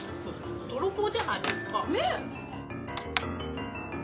泥棒じゃないですか。